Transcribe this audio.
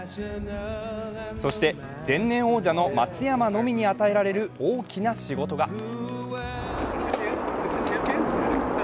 そして、前年王者の松山のみに与えられる大きな仕事が。